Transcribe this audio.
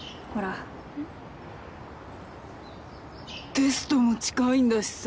テストも近いんだしさ！